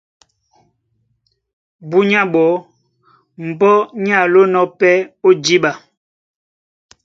Búnyá ɓɔɔ́ mbɔ́ ní alónɔ̄ pɛ́ ó jǐɓa,